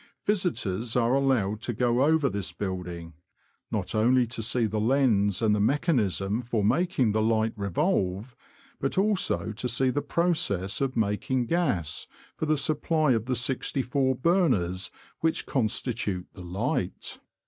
Visitors are allowed to go over this building, not only to see the lens, and the mechanism for making the light revolve, but also to see the process of making gas for the supply of the sixty four burners which constitute the " light."